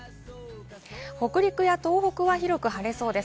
北陸や東北は広く晴れそうです。